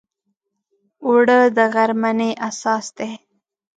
اوړه د غرمنۍ اساس دی